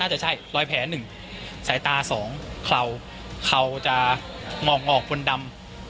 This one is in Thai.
แต่ทำไมเขาคิดมานี่